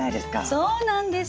そうなんです。